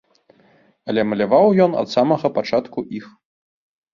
Але маляваў ён ад самага пачатку іх.